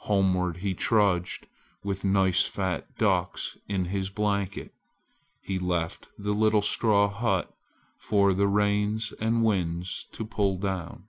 Homeward he trudged along with nice fat ducks in his blanket. He left the little straw hut for the rains and winds to pull down.